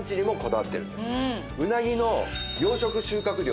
うなぎの養殖収穫量